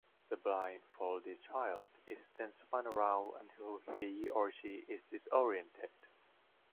The blindfolded child is then spun around until he or she is disoriented.